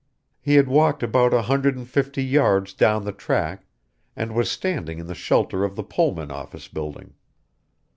He had walked about a hundred and fifty yards down the track and was standing in the shelter of the Pullman office building.